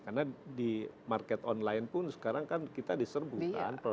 karena di market online pun sekarang kan kita diserbutkan produk import